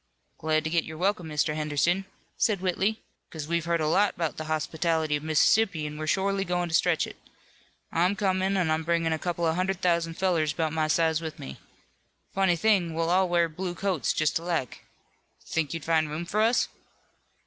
"Glad to get your welcome, Mr. Henderson," said Whitley, "'cause we've heard a lot 'bout the hospitality of Mississippi, an' we're shorely goin' to stretch it. I'm comin', an' I'm bringin' a couple of hundred thousand fellers 'bout my size with me. Funny thing, we'll all wear blue coats just alike. Think you'd find room for us?"